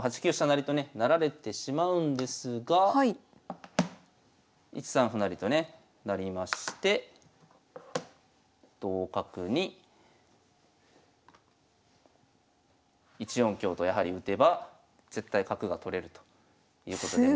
成とね成られてしまうんですが１三歩成とねなりまして同角に１四香とやはり打てば絶対角が取れるということで。